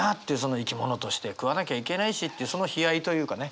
生き物として食わなきゃいけないしってその悲哀というかね